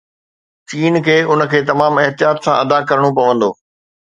چين کي ان کي تمام احتياط سان ادا ڪرڻو پوندو